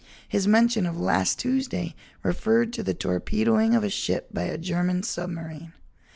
His mention of "last Tuesday" referred to the torpedoing of a ship by a German submarine.